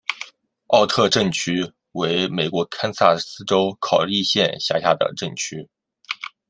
奥特镇区为美国堪萨斯州考利县辖下的镇区。